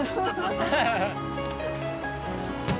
アハハハ。